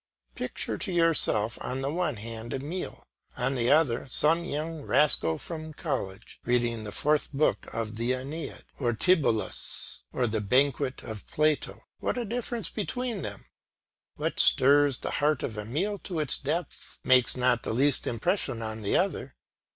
Picture to yourself on the one hand Emile, on the other some young rascal from college, reading the fourth book of the Aeneid, or Tibollus, or the Banquet of Plato: what a difference between them! What stirs the heart of Emile to its depths, makes not the least impression on the other!